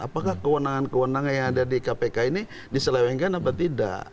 apakah kewenangan kewenangan yang ada di kpk ini diselewengkan atau tidak